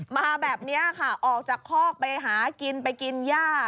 มาแบบนี้ค่ะออกจากคอกไปหากินไปกินย่า